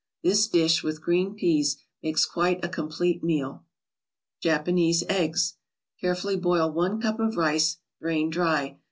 This dish, with green peas, makes quite a complete meal. JAPANESE EGGS Carefully boil one cup of rice, drain dry.